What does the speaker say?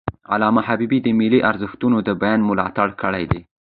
علامه حبیبي د ملي ارزښتونو د بیان ملاتړ کړی دی.